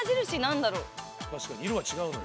確かに色が違うのよ。